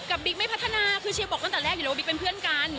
บิ๊กไม่พัฒนาคือเชียร์บอกตั้งแต่แรกอยู่แล้วว่าบิ๊กเป็นเพื่อนกัน